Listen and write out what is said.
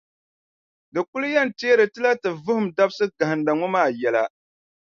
Di kuli yɛn teeri ti la ti vuhim dabisiʼ gahinda ŋɔ maa yɛla.